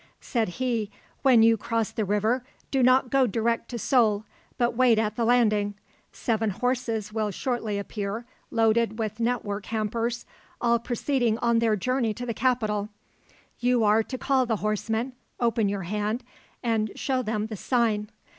Said he, "When you cross the river, do not go direct to Seoul, but wait at the landing. Seven horses will shortly appear, loaded with network hampers, all proceeding on their journey to the capital. You are to call the horsemen, open your hand, and show them the sign.